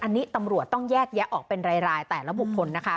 อันนี้ตำรวจต้องแยกแยะออกเป็นรายแต่ละบุคคลนะคะ